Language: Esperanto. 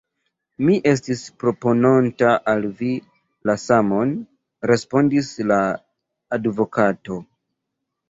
Mi estis propononta al vi la samon, respondis la advokato.